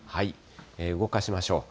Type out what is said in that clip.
動かしましょう。